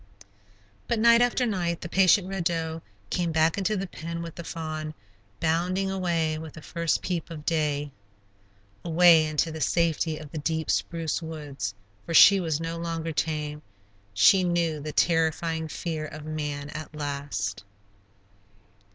But night after night the patient Red Doe came back into the pen with the fawn, bounding away with the first peep of day. Away, into the safety of the deep spruce woods, for she was no longer tame; she knew the terrifying fear of man, at last.